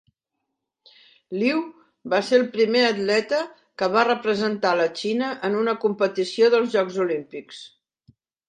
Liu va ser el primer atleta que va representar la Xina en una competició dels jocs olímpics.